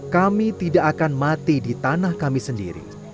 kami tidak akan mati di tanah kami sendiri